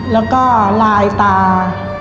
แล้วก็ลายตา